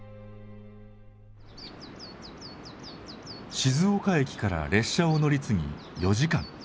静岡駅から列車を乗り継ぎ４時間。